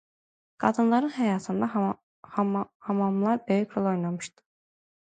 Qadınların həyatında hamamlar böyük rol oynamışdır.